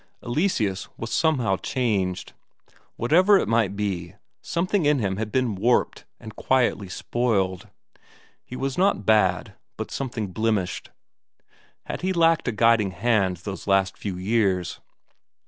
Eleseus was somehow changed; whatever it might be, something in him had been warped, and quietly spoiled; he was not bad, but something blemished. Had he lacked a guiding hand those last few years?